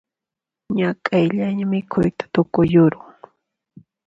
Ñak'ayllaña mikhuyta tukuyuruni